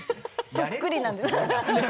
そっくりなんです。